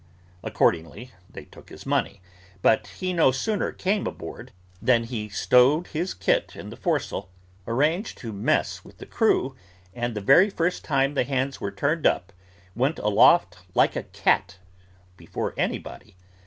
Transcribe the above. Accordingly, they took his money, but he no sooner came aboard, than he stowed his kit in the forecastle, arranged to mess with the crew, and the very first time the hands were turned up, went aloft like a cat, before anybody.